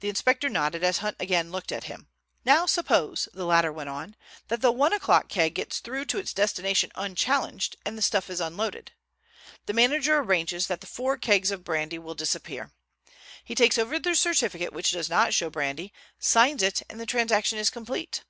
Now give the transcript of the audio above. The inspector nodded as Hunt again looked at him. "Now suppose," the latter went on, "that the one o'clock lorry gets through to its destination unchallenged, and the stuff is unloaded. The manager arranges that the four kegs of brandy will disappear. He takes over the certificate which does not show brandy, signs it, and the transaction is complete.